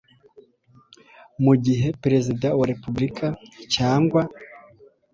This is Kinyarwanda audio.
Mu gihe Perezida wa Repububulika cyangwa